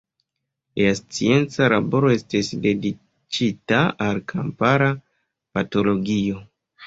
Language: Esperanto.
Lia scienca laboro estis dediĉita al kompara patologio.